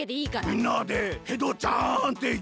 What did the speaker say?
みんなでヘドちゃんってよんでくれ。